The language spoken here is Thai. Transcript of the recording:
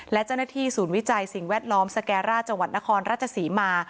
และเจ้าหน้าที่ศูนย์วิจัยสิ่งแวดล้อมสแกร่าจังหวัดนครราชศรีมา